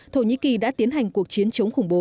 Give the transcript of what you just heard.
thổ nhĩ kỳ đã tiến hành cuộc chiến chống khủng bố